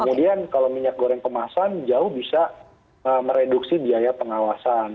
kemudian kalau minyak goreng kemasan jauh bisa mereduksi biaya pengawasan